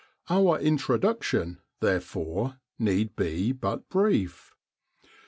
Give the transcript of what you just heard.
Our introduction, therefore, need be but brief.